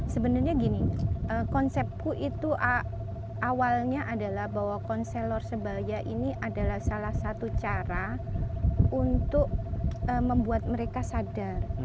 sebenarnya gini konsepku itu awalnya adalah bahwa konselor sebaya ini adalah salah satu cara untuk membuat mereka sadar